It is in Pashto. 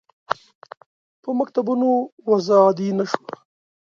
په مکتوبونو وضع عادي نه شوه.